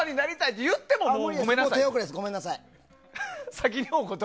ごめんなさい。